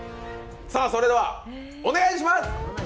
それではお願いします！